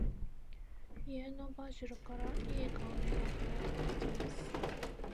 家のバジルから、良い香りが漂ってきます。